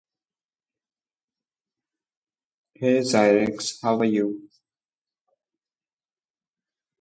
It was ideologically aligned with conservatism.